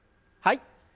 はい。